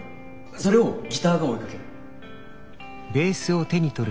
それをギターが追いかける。